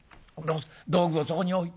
道具をそこに置いて。